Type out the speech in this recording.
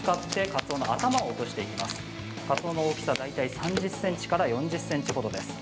かつおの大きさ大体３０ｃｍから４０ｃｍほどです。